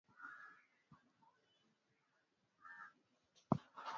andaa Maji ya limao kutoka kwenye Kipande cha limao moja